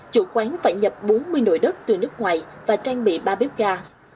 chủ quán phải nhập bốn mươi nồi đất từ nước ngoại và trang bị ba bếp gas